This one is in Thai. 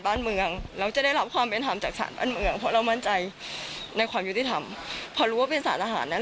เพราะเรามั่นใจในความยุติธรรมเพราะเราเป็นสารอาหารแล้ว